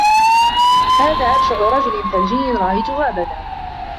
هذا أبشع رجل ثلجي رأيته أبدا.